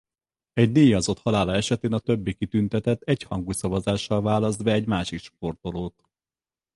Egy díjazott halála esetén a többi kitüntetett egyhangú szavazással választ be egy másik sportolót.